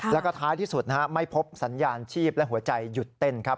แล้วก็ท้ายที่สุดไม่พบสัญญาณชีพและหัวใจหยุดเต้นครับ